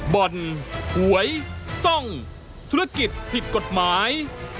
บ่อนหวยซ่องธุรกิจผิดกฎหมาย